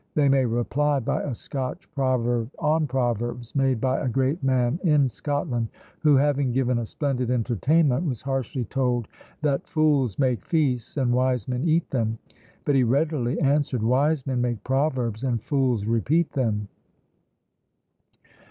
They may reply by a Scotch proverb on proverbs, made by a great man in Scotland, who, having given a splendid entertainment, was harshly told, that "Fools make feasts, and wise men eat them;" but he readily answered, "Wise men make proverbs, and fools repeat them!"